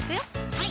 はい